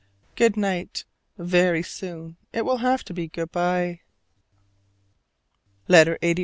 Good night; very soon it will have to be good by. LETTER LXXXI.